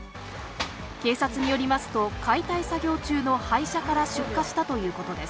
警察によりますと、解体作業中の廃車から出火したということです。